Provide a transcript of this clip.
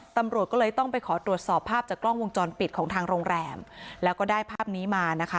ตำรวจก็เลยต้องไปขอตรวจสอบภาพจากกล้องวงจรปิดของทางโรงแรมแล้วก็ได้ภาพนี้มานะคะ